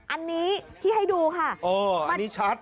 อันนี้ที่ให้ดูค่ะอันนี้ชัด